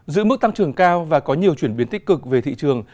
giữ mức tăng trưởng cao và có nhiều chuyển biến tích cực về thị trường